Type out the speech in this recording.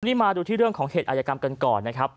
นี่มาดูที่เรื่องของเหตุอายกรรมกันก่อนนะครับ